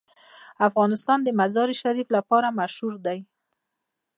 افغانستان د مزارشریف لپاره مشهور دی.